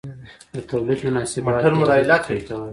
د توليد مناسبات یا اړیکې څه ته وايي؟